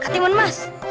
kak timun mas